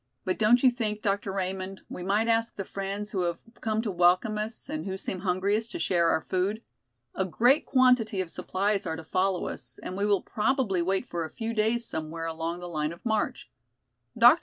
"But don't you think, Dr. Raymond, we might ask the friends who have come to welcome us and who seem hungriest to share our food? A great quantity of supplies are to follow us and we will probably wait for a few days somewhere along the line of march. Dr.